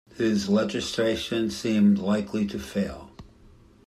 His legislation seemed likely to fail.